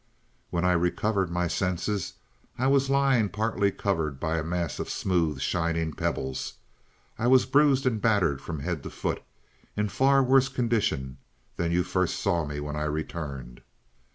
"When I recovered my senses I was lying partly covered by a mass of smooth, shining pebbles. I was bruised and battered from head to foot in a far worse condition than you first saw me when I returned.